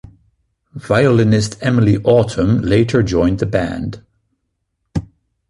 Violinist Emilie Autumn later joined the band.